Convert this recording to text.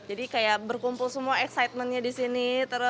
jadi kayak berkumpul semua excitement nya di sini